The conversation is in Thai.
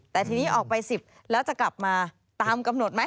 แต่ทีนี้ออกไป๑๐แล้วจะกลับมาตามกำหนดไหม